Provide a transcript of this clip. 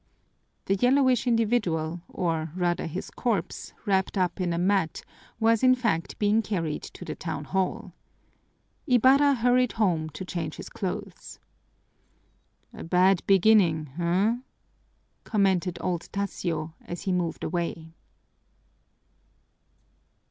The yellowish individual, or rather his corpse, wrapped up in a mat, was in fact being carried to the town hall. Ibarra hurried home to change his clothes. "A bad beginning, huh!" commented old Tasio, as he moved away.